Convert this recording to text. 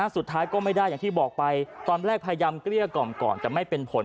สุดท้ายก็ไม่ได้อย่างที่บอกไปตอนแรกพยายามเกลี้ยกล่อมก่อนแต่ไม่เป็นผล